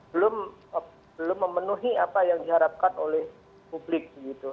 belum memenuhi apa yang diharapkan oleh publik